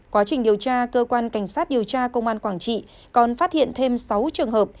quá trình điều tra cơ quan cảnh sát điều tra công an quảng trị còn phát hiện thêm sáu trường hợp